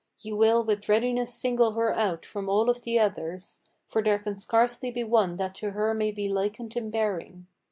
Ye will with readiness single her out from all of the others, For there can scarcely be one that to her may be likened in bearing.